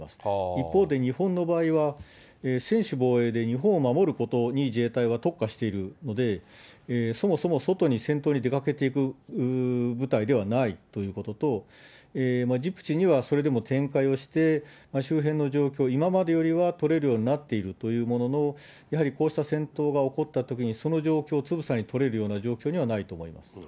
一方で日本の場合は、専守防衛で日本を守ることに自衛隊は特化しているので、そもそも外に戦闘に出かけていく部隊ではないということと、ジブチにはそれでも展開をして、周辺の状況を今までよりは取れるようになっているというものの、やはりこうした戦闘が起こったときに、その状況をつぶさに取れるような状況にはないと思います。